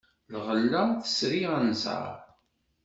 Lɣella tesri anẓar.